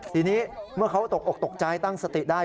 ทีนี้เมื่อเขาตกอกตกใจตั้งสติได้